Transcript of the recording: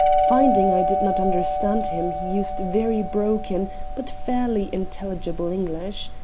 Finding I did not understand him, he used very broken, but fairly intelligible, English.